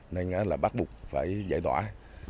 nên là bác bục phải giải thoại